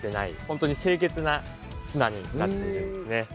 本当に清潔な砂になっているんですね。